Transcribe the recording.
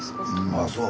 ああそう？